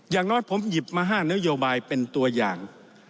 อย่างน้อยผมหยิบมา๕นโยบายเป็นตัวอย่าง